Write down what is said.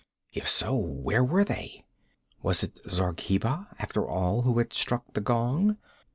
If so, where were they? Was it Zargheba, after all, who had struck the gong?